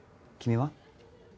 君は？